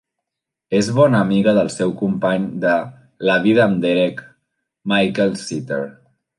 Es bona amiga del seu company de "La vida amb Derek", Michael Seater.